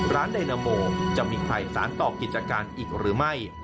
ไดนาโมจะมีใครสารต่อกิจการอีกหรือไม่